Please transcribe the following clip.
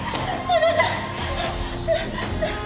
あなた！